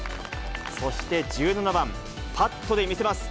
そして１７番、パットで見せます。